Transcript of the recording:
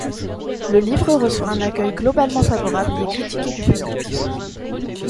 Le livre reçoit un accueil globalement favorable des critiques et du public.